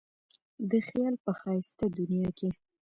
د خیال په ښایسته دنیا کې.